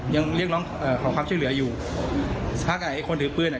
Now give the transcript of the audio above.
ยังเรียกร้องเอ่อขอความชื่อเหลืออยู่ถ้าใครคนถือปืนอ่ะ